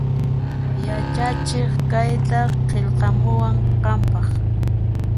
Yachachiq kayta qillqamuwan qanpaq